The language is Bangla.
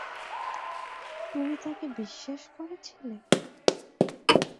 তুমি তাকে বিশ্বাস করেছিলে?